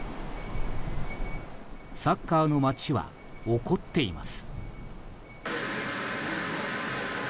サッカーの街は怒っています。